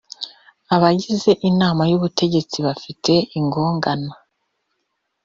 abagize inama y ubutegetsi bafite igongana